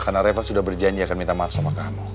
karena reva sudah berjanji akan minta maaf sama kamu